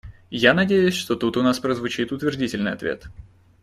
Я надеюсь, что тут у нас прозвучит утвердительный ответ.